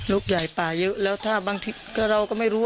ลูกใหญ่ป่าเยอะแล้วถ้าบางทีก็เราก็ไม่รู้ว่า